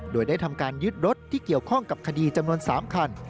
โดยได้ทำการยึดรถที่เกี่ยวข้องกับคดีจำนวน๓คัน